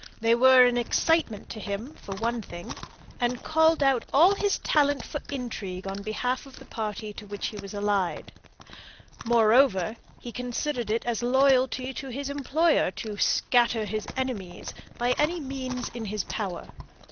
They were an excitement to him for one thing, and called out all his talent for intrigue on behalf of the party to which he was allied. Moreover, he considered it as loyalty to his employer to "scatter his enemies" by any means in his power.